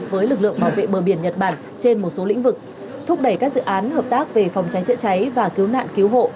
với lực lượng bảo vệ bờ biển nhật bản trên một số lĩnh vực thúc đẩy các dự án hợp tác về phòng cháy chữa cháy và cứu nạn cứu hộ